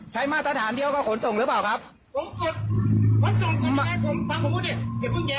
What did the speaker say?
ใช้มาตรฐานเดียวก็ขนส่งหรือเปล่าครับขนส่งขนส่งผมฟังผมกูเนี้ยเดี๋ยวเพิ่งแยะ